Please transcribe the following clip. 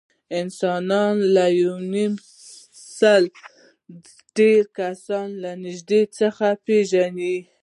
انسانان له یونیمسل ډېر کسان له نږدې څخه نه پېژني.